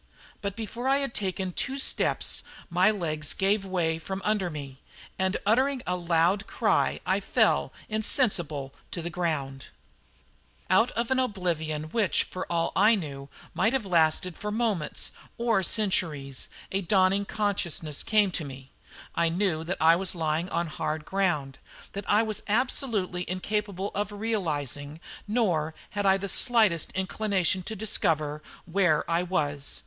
But before I had taken two steps my legs gave way from under me, and uttering a loud cry I fell insensible to the ground. Out of an oblivion which, for all I knew, might have lasted for moments or centuries, a dawning consciousness came to me. I knew that I was lying on hard ground; that I was absolutely incapable of realising, nor had I the slightest inclination to discover, where I was.